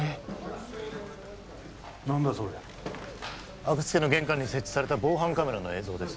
阿久津家の玄関に設置された防犯カメラの映像です